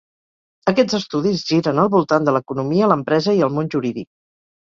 Aquests estudis giren al voltant de l'economia, l'empresa i el món jurídic.